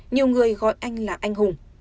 nhiều người gọi anh là anh hùng